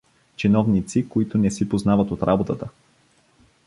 Чиновници, които не си познават от работата!